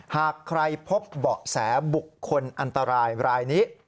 หากใครพบเบาะแสบุคคลอันตรายรายนี้